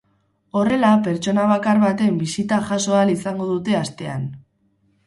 Horrela, pertsona bakar baten bisita jaso ahal izango dute astean.